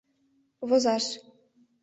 возаш